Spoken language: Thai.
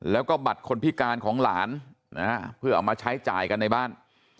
แล้วก็บัตรคนพิการของหลานนะฮะเพื่อเอามาใช้จ่ายกันในบ้าน